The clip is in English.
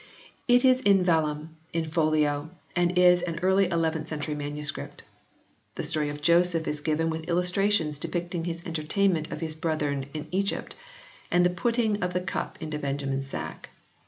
It is in vellum, in folio, and is an early llth century MS. The story of Joseph is given with illustrations depicting his entertainment of his brethren in Egypt, and the putting of the cup into Benjamin s sack.